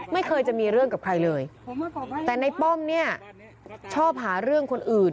ไม่เคยจะมีเรื่องกับใครเลยแต่ในป้อมเนี่ยชอบหาเรื่องคนอื่น